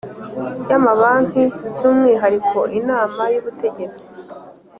y amabanki by umwihariko Inama y Ubutegetsi